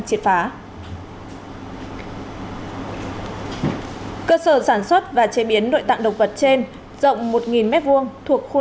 cơ sở sản xuất và chế biến nội tạng độc vật trên rộng một m hai thuộc khu năm